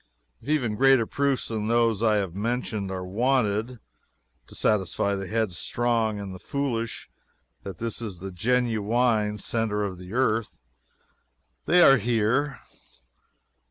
If even greater proofs than those I have mentioned are wanted, to satisfy the headstrong and the foolish that this is the genuine centre of the earth, they are here.